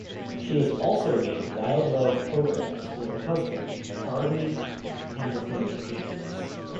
She has also made wildlife programmes with her husband, Charlie Hamilton James.